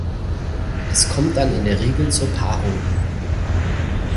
Es kommt dann in der Regel zur Paarung.